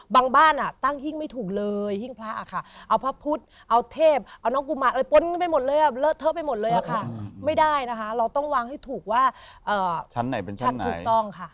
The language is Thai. บ้านตั้งหิ้งไม่ถูกเลยหิ้งพระค่ะเอาพระพุทธเอาเทพเอาน้องกุมารอะไรป้นไปหมดเลยอ่ะเลอะเทอะไปหมดเลยอะค่ะไม่ได้นะคะเราต้องวางให้ถูกว่าชั้นไหนเป็นชั้นไหนถูกต้องค่ะ